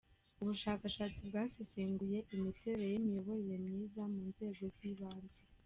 Ubushakashatsi bwasesenguye imiterere y’imiyoborere myiza mu nzego z’ibanze.